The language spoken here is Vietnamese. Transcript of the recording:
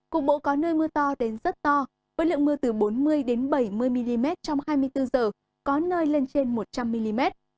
cục bộ có nơi mưa to đến rất to với lượng mưa từ bốn mươi bảy mươi mm trong hai mươi bốn h có nơi lên trên một trăm linh mm